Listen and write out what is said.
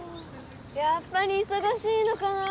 やっぱり忙しいのかな？